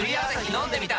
飲んでみた！